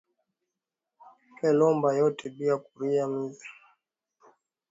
Ku lomba saa yote bia kuria ni miza mubaya